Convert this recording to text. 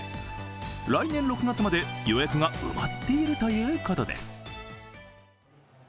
来年６月まで予約が埋まっているということです。